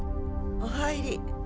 ・お入り。